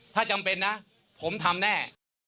ถ้าจำเป็นนะผมทำแน่